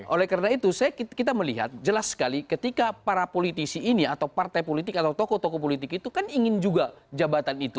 oleh karena itu kita melihat jelas sekali ketika para politisi ini atau partai politik atau tokoh tokoh politik itu kan ingin juga jabatan itu